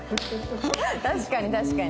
確かに確かに。